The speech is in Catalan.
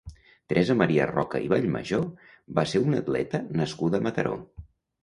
Teresa Maria Roca i Vallmajor va ser una atleta nascuda a Mataró.